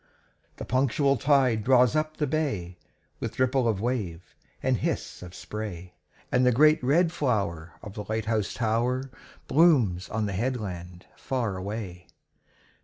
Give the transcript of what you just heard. The punctual tide draws up the bay, With ripple of wave and hiss of spray, And the great red flower of the light house tower Blooms on the headland far away.